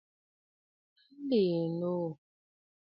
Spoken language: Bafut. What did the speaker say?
A lə̀ə̀ noò.